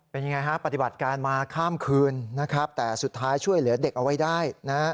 เป็นอย่างไรครับปฏิบัติการมาข้ามคืนแต่สุดท้ายช่วยเหลือเด็กเอาไว้ได้